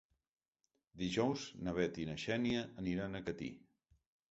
Dijous na Bet i na Xènia aniran a Catí.